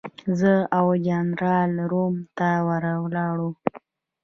زه او جنرال روم ته ولاړو.